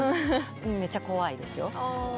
めちゃ怖いですよ。